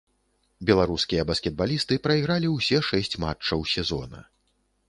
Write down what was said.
Беларускія баскетбалісты прайгралі ўсе шэсць матчаў сезона.